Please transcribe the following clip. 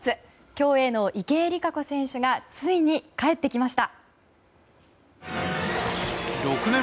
競泳の池江璃花子選手がついに帰ってきました。